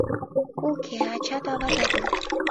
— Уке, ачат-ават огыл.